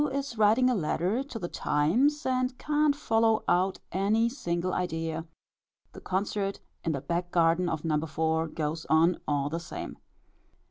is writing a letter to the Times, and can't follow out any single idea; the concert in the back garden of No. 4. goes on all the same.